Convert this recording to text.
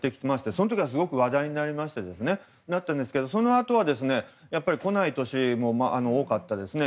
その時はすごく話題になりましてそのあとは来ない年も多かったですね。